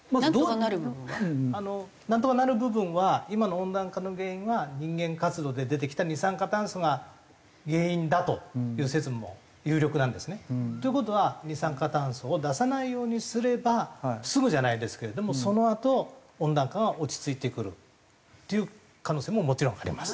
なんとかなる部分は今の温暖化の原因は人間活動で出てきた二酸化炭素が原因だという説も有力なんですね。という事は二酸化炭素を出さないようにすればすぐじゃないですけれどもそのあと温暖化が落ち着いてくるっていう可能性ももちろんあります。